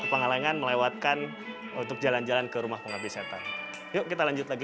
kepengalangan melewatkan untuk jalan jalan ke rumah penghabisan yuk kita lanjut lagi